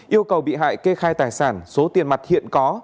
yêu cầu bị hại kê khai tài sản số tiền mặt hiện có